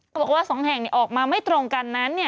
บอกว่า๒แห่งออกมาไม่ตรงกันนั้น